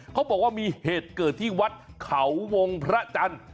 เขาบอกว่ามีเหตุเกิดที่วัดเขาวงพระจันทร์